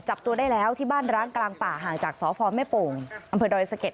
จับตัวได้แล้วที่บ้านร้างกลางป่าห่างจากสพแม่โป่งอำเภอดอยสะเก็ด